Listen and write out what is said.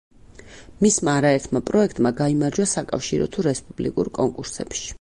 მისმა არაერთმა პროექტმა გაიმარჯვა საკავშირო თუ რესპუბლიკურ კონკურსებში.